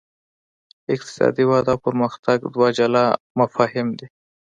اقتصادي وده او پرمختګ دوه جلا مفاهیم دي.